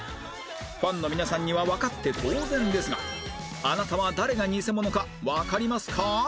ファンの皆さんにはわかって当然ですがあなたは誰がニセモノかわかりますか？